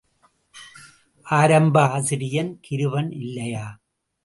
ஆரம்ப ஆசிரியன் கிருபன் இல்லையா?